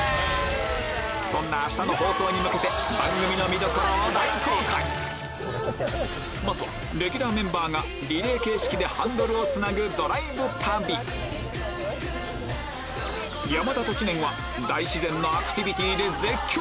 そんな明日の放送に向けて番組のまずはレギュラーメンバーがリレー形式でハンドルをつなぐドライブ旅山田と知念は早いよ！